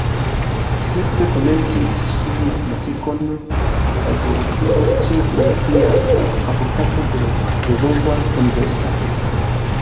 Sekve komencis studi matematikon kaj filozofion ĉe la Filozofia Fakultato de Lvova Universitato.